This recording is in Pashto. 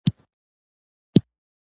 تصور او د لېوالتیا کمال ډېر مهم دي